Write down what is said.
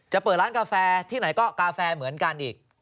เปิดร้านกาแฟที่ไหนก็กาแฟเหมือนกันอีก